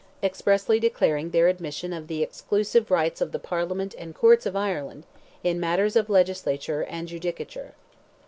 expressly declaring their admission of the "exclusive rights of the Parliament and Courts of Ireland in matters of legislature and judicature."